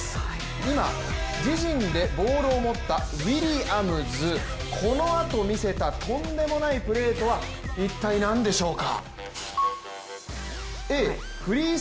今自陣でボールを持ったウィリアムズ、このあと見せた、とんでもないプレーとは一体なんでしょうか。